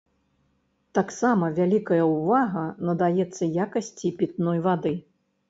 Таксама вялікая ўвага надаецца якасці пітной вады.